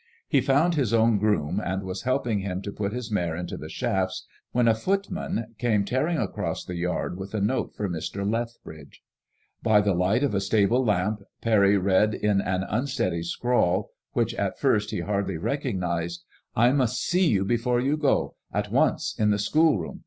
He found his own groom, and was helping him to put his mare into the shafts, when a footman came tearing across the yard with a note for Mr. Lrethbridge. By the light of a stable lamp. Parry read in an unsteady scrawl, which at first he hardly recognized : ^'I must see you before you go; at once in the schoolroom.